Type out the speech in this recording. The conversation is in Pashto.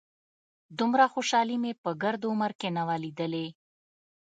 دومره خوشالي مې په ګرد عمر کښې نه وه ليدلې.